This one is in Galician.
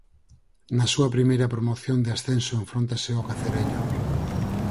Na súa primeira promoción de ascenso enfróntase ao Cacereño.